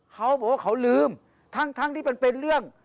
เขาบอกว่าเขาลืมทั้งที่มันเป็นเรื่อง